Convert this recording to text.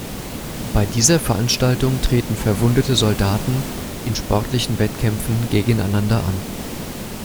Bei dieser Veranstaltung treten verwundete Soldaten in sportlichen Wettkämpfen gegeneinander an.